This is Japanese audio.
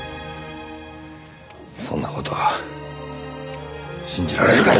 そんな事信じられるかよ！